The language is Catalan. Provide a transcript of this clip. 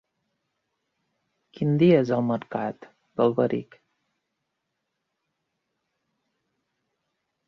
Quin dia és el mercat d'Alberic?